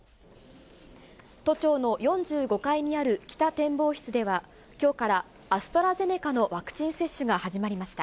都庁の４５階にある北展望室では、きょうから、アストラゼネカのワクチン接種が始まりました。